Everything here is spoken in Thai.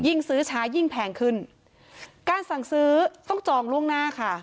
ซื้อช้ายิ่งแพงขึ้นการสั่งซื้อต้องจองล่วงหน้าค่ะ